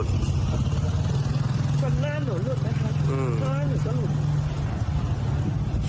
ฟันหน้าหนูหลุดไหมครับอืม